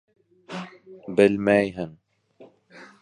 — Белмәйһең.